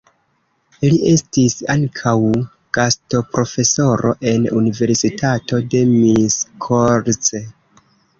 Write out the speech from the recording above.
Li estis ankaŭ gastoprofesoro en Universitato de Miskolc.